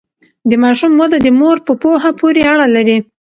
د ماشوم وده د مور په پوهه پورې اړه لري۔